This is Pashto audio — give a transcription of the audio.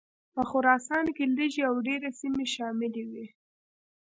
په خراسان کې لږې او ډېرې سیمې شاملي وې.